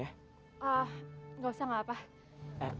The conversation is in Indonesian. gak usah gak apa